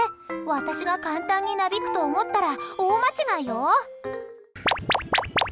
私が簡単になびくと思ったら大間違いよ。